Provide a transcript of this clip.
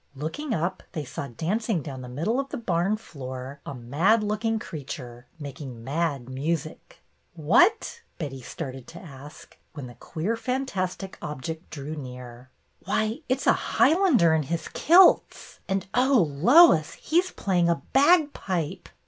Looking up, they saw dancing down the middle of the barn floor a mad looking creature, making mad music. ''What —" Betty started to ask, when the queer, fantastic object drew near. "Why, it 's a Highlander in his kilts. And, oh, Lois, he 's playing a bagpipe